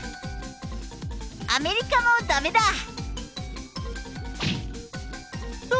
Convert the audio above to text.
アメリカもだめだ。